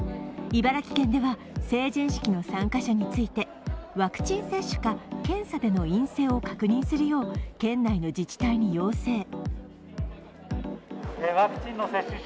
茨城県では成人式の参加者についてワクチン接種か検査での陰性を確認するよう県内の自治体に要請。